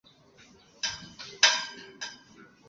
加拿大长老会差会夫妇。